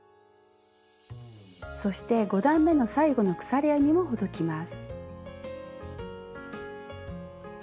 そして５段めの最後の鎖編みもほどきます。